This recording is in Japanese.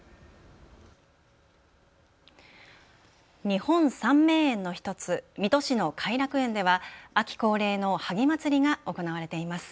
日本三名園の１つ、水戸市の偕楽園では秋恒例の萩まつりが行われています。